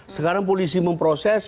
sekarang polisi memproses